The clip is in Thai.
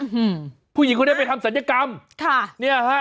อืมผู้หญิงคนนี้ไปทำศัลยกรรมค่ะเนี้ยฮะ